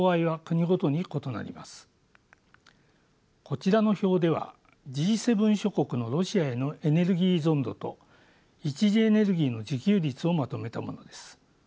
こちらの表ではＧ７諸国のロシアへのエネルギー依存度と一次エネルギーの自給率をまとめたものです。